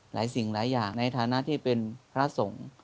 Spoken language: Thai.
สิ่งหลายอย่างในฐานะที่เป็นพระสงฆ์